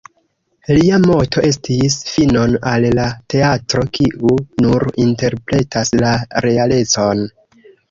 Lia moto estis: "„Finon al la teatro, kiu nur interpretas la realecon!